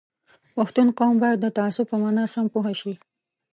پښتون قوم باید د تعصب په مانا سم پوه شي